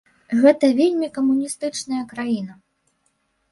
Гэта вельмі камуністычная краіна.